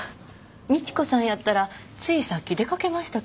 美知子さんやったらついさっき出掛けましたけど。